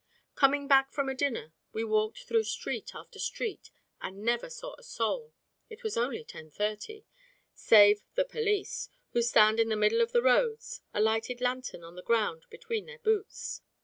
Coming back from a dinner we walked through street after street and never saw a soul (it was only 10.30) save the police, who stand in the middle of the roads, a lighted lantern on the ground between their boots.